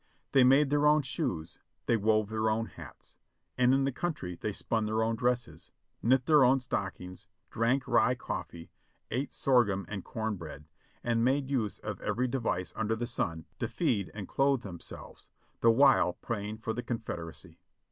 They made their own shoes, they wove their own hats; in the countrv they spun their own dresses, knit their own stockings, drank rye coffee, ate sorghum and corn bread, and made use of every device under the sun to feed and clothe them selves, the while praying for the Confederacy.